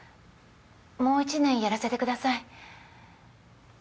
もう１年やらせてください